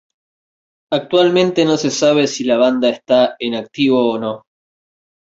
Actualmente no se sabe si la banda está en activo o no.